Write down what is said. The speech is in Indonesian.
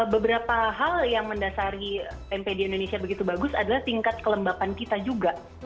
beberapa hal yang mendasari tempe di indonesia begitu bagus adalah tingkat kelembapan kita juga